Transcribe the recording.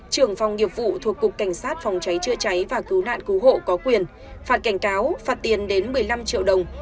trưởng phòng nghiệp vụ thuộc cục cảnh sát phòng cháy chữa cháy và cứu nạn cứu hộ có quyền phạt cảnh cáo phạt tiền đến một mươi năm triệu đồng